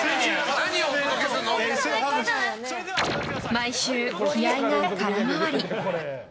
毎週、気合が空回り。